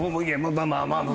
まあまあまあまあ